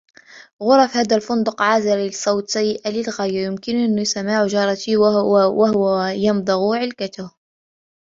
غرف هذا الفندق عازلة للصوت سيئة للغاية. يمكنني سماع جارتي وهو يمضغ علكته